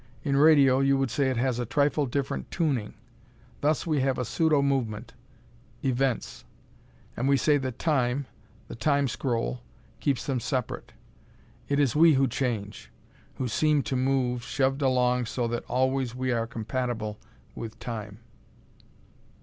In radio you would say it has a trifle different tuning. Thus we have a pseudo movement Events. And we say that Time the Time scroll keeps them separate. It is we who change who seem to move, shoved along so that always we are compatible with Time.